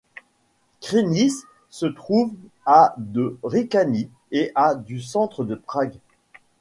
Křenice se trouve à de Říčany et à du centre de Prague.